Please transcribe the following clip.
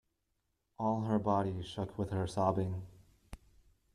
All her body shook with her sobbing.